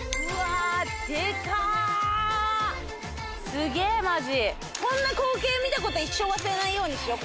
すげぇマジ。